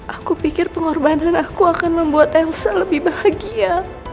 aku pikir pengorbanan aku akan membuat emsa lebih bahagia